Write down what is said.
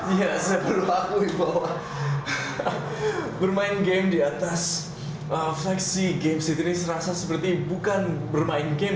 ya saya perlu akui bahwa bermain game di atas flexi games ini serasa seperti bukan bermain game